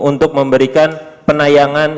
untuk memberikan penayangan